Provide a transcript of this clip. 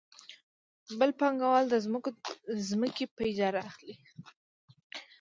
بل پانګوال د ځمکوال ځمکې په اجاره اخلي